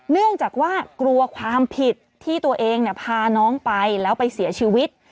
เนื่องจากว่ากลัวความผิดที่ตัวเองพาน้องไปแล้วไปเสียชีวิต